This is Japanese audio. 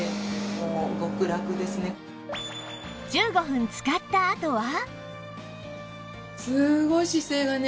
１５分使ったあとは